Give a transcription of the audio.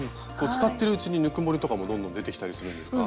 使ってるうちにぬくもりとかもどんどん出てきたりするんですか？